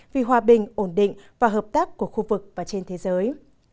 vì hòa bình ổn định và hợp tác của khu vực và trên thế giới